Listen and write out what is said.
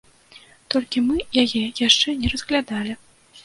Толькі мы яе яшчэ не разглядалі.